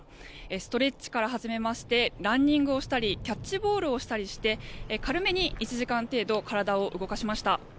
ストレッチから始めましてランニングをしたりキャッチボールをしたりして軽めに１時間程度体を動かしました。